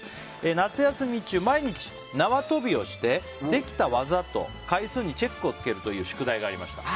夏休み中、毎日縄跳びをしてできた技と回数にチェックをつけるという宿題がありました。